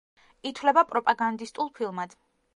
ითვლება პროპაგანდისტულ ფილმად.